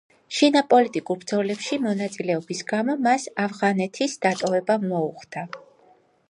შინაპოლიტიკურ ბრძოლებში მონაწილეობის გამო, მას ავღანეთის დატოვება მოუხდა.